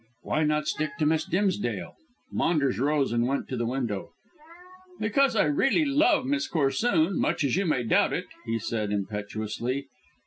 Why not stick to Miss Dimsdale?" Maunders rose and went to the window. "Because I really love Miss Corsoon, much as you may doubt it," he said impetuously.